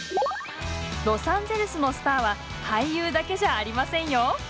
ロサンゼルスのスターは俳優だけじゃありませんよ。